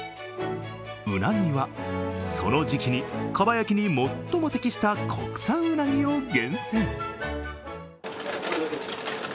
うなぎは、その時期にかば焼きに最も適した国産うなぎを厳選。